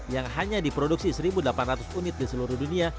yang hanya diproduksi satu delapan ratus unit di seluruh dunia